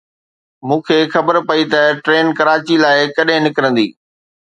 مون کي خبر پئي ته ٽرين ڪراچي لاءِ ڪڏهن نڪرندي.